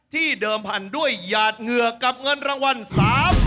เดิมพันธุ์ด้วยหยาดเหงื่อกับเงินรางวัล๓๐๐บาท